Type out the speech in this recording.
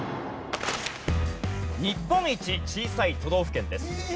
日本一小さい都道府県です。